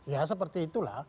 ya seperti itulah